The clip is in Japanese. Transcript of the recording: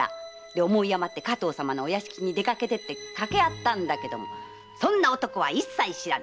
思いあまって加藤様のお屋敷に出かけてって掛け合ったけど「そんな男は一切知らぬ！」